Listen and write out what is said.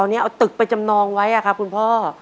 ตอนนี้เอาตึกไปจำนองไว้ครับคุณพ่อ